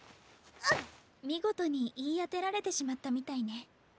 見事に言い当てられてしまったみたいね。